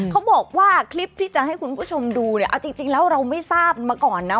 เขาบอกว่าคลิปที่จะให้คุณผู้ชมดูเนี่ยเอาจริงแล้วเราไม่ทราบมาก่อนนะ